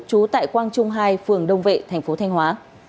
trú tại quang trung hai phường đông vệ tp thanh hóa